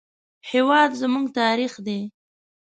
هېواد زموږ تاریخ دی